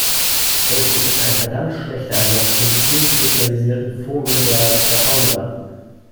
Facebook ist ein verdammt schlechter Ersatz für die vielen spezialisierten Foren der zweitausender.